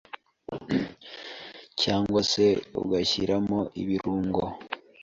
cyangwa se ugashyiramo ibirungo,